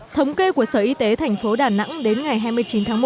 thống kê của sở y tế thành phố đà nẵng đến ngày hai mươi chín tháng một